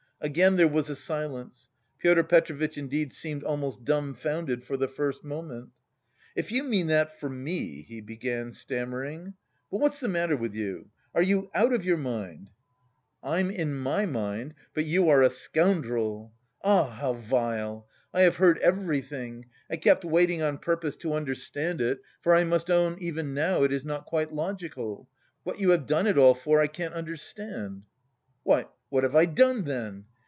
Again there was a silence. Pyotr Petrovitch indeed seemed almost dumbfounded for the first moment. "If you mean that for me,..." he began, stammering. "But what's the matter with you? Are you out of your mind?" "I'm in my mind, but you are a scoundrel! Ah, how vile! I have heard everything. I kept waiting on purpose to understand it, for I must own even now it is not quite logical.... What you have done it all for I can't understand." "Why, what have I done then?